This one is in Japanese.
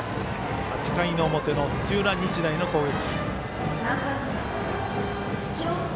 ８回の表の土浦日大の攻撃。